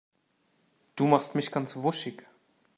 Du machst mich ganz wuschig.